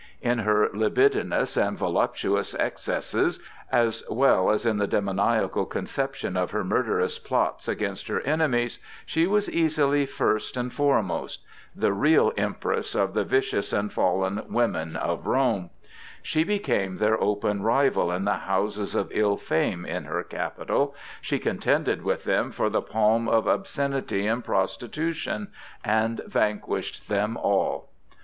In her libidinous and voluptuous excesses, as well as in the demoniacal conception of her murderous plots against her enemies, she was easily first and foremost,—the real empress of the vicious and fallen women of Rome: she became their open rival in the houses of ill fame in her capital, she contended with them for the palm of obscenity and prostitution, and vanquished them all.